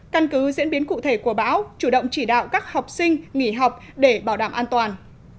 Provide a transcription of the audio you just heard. căn cứ diễn biến cụ thể của bão chủ động chỉ đạo các học sinh nghỉ học để bảo đảm an toàn